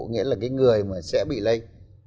nghĩa là cái người mà sẽ bị lây